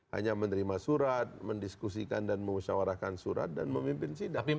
hanya menerima surat mendiskusikan dan memusyawarahkan surat dan memimpin sidang